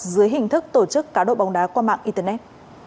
dưới hình thức tổ chức cá độ bóng đá qua mạng internet